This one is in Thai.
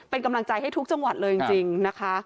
เป็นกำลังใจให้ทุกจังหวัดเลยจริงนะคะ